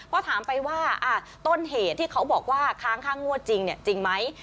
พอถามไปว่าต้นเหตุที่เขาบอกว่าค้างค่างวดจริงจริงไหม